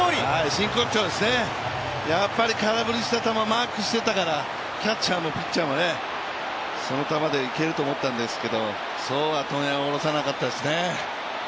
真骨頂ですね、やっぱり空振りした球、マークしてたから、キャッチャーもピッチャーもその球でいけると思ったんですけどそうは問屋が卸さなかったですね。